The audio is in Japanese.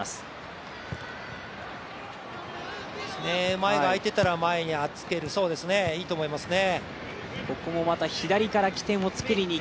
前があいていたら前に預ける、いいと思いますね。